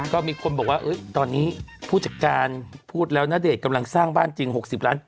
ก็มีคนบอกว่าตอนนี้ผู้จัดการพูดแล้วณเดชน์กำลังสร้างบ้านจริง๖๐ล้าน